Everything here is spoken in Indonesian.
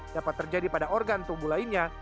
dapat terjadi pada organ tubuh lainnya